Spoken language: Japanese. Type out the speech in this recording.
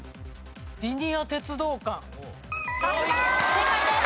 正解です。